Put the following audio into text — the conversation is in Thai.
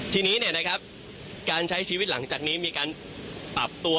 ทีนี้การใช้ชีวิตหลังจากนี้มีการปรับตัว